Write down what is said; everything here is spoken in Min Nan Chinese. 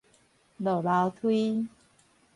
落樓梯